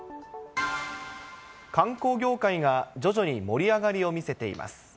観光業界が徐々に盛り上がりを見せています。